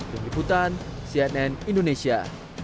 dari butan cnn indonesia